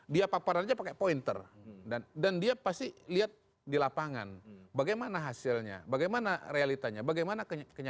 dia paparan aja pakai pointer dan dia pasti lihat di lapangan bagaimana hasilnya bagaimana realitanya bagaimana